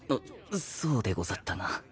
そうでござったな。